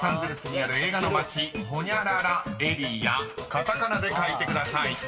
［カタカナで書いてください］